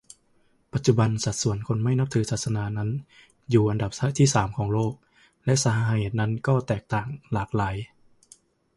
ปัจจุบันสัดส่วนคนที่ไม่นับถือศาสนานั้นอยู่อันดับที่สามของโลก และสาเหตุนั้นก็แตกต่างหลากหลาย